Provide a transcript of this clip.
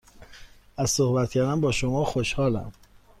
از صحبت کردن با شما خوشحالم.